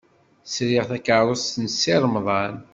Sriɣ takeṛṛust n Si Remḍan.